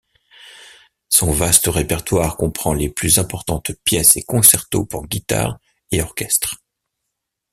Son vaste répertoire comprend les plus importantes pièces et concertos pour guitare et orchestre.